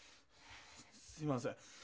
すみません。